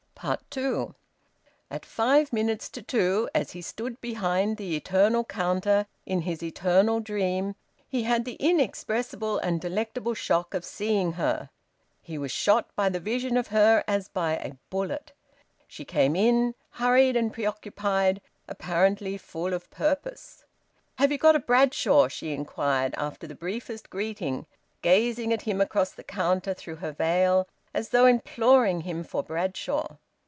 TWO. At five minutes to two, as he stood behind the eternal counter in his eternal dream, he had the inexpressible and delectable shock of seeing her. He was shot by the vision of her as by a bullet. She came in, hurried and preoccupied, apparently full of purpose. "Have you got a Bradshaw?" she inquired, after the briefest greeting, gazing at him across the counter through her veil, as though imploring him for Bradshaw.